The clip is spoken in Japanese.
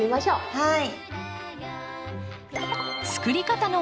はい。